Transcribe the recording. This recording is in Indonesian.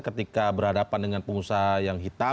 ketika berhadapan dengan pengusaha yang hitam